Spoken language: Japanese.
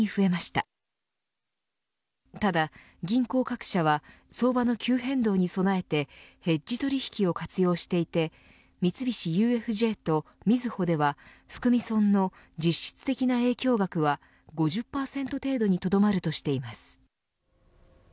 ただ銀行各社は相場の急変動に備えてヘッジ取引を活用していて三菱ＵＦＪとみずほでは含み損の実質的な影響額は５０％程度にとどまるとしています。